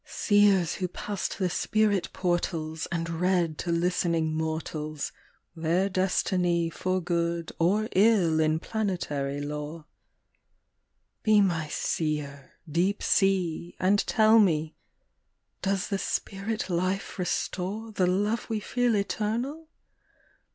73 Seers who passed the spirit portals and read to listening mortals Their destiny for good or ill in planetary lore. Be my seer, deep sea, and tell me, does the spirit life restore The love we feel eternal